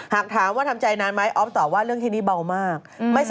หากถามว่าทำใจนานไหมออฟตอบว่าเรื่องที่นี่เบามาก